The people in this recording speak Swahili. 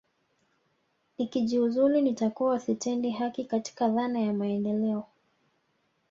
Nikijiuzulu nitakuwa sitendi haki katika dhana ya maendeleo